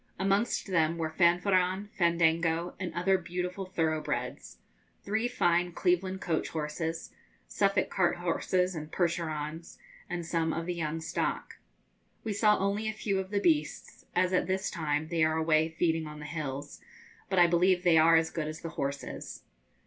Amongst them were Fanfaron, Fandango, and other beautiful thoroughbreds, three fine Cleveland coach horses, Suffolk cart horses and percherons, and some of the young stock. We saw only a few of the beasts, as at this time they are away feeding on the hills, but I believe they are as good as the horses.